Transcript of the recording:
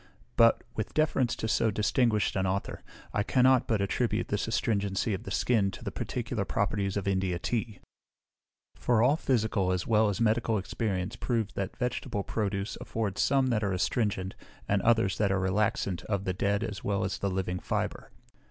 But, with deference to so distinguished an author, I cannot but attribute this astringency of the skin to the particular properties of India tea; for all physical as well as medical experience proves that vegetable produce afford some that are astringent, and others that are relaxant, of the dead as well as the living fibre.